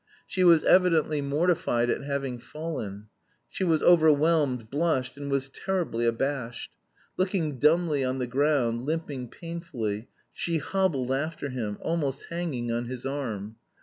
She was evidently mortified at having fallen; she was overwhelmed, blushed, and was terribly abashed. Looking dumbly on the ground, limping painfully, she hobbled after him, almost hanging on his arm.